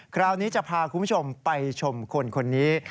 คราวนี้จะพาคุณผู้ชมไปชมคนคนนี้